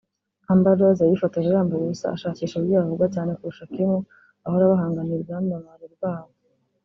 Amber Rose yifotoje yambaye ubusa ashakisha uburyo yavugwa cyane kurusha Kim bahora bahanganiye ubwamamare bwabo